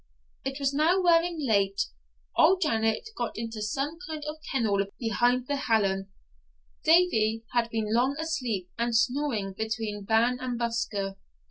It was now wearing late. Old Janet got into some kind of kennel behind the hallan; Davie had been long asleep and snoring between Ban and Buscar.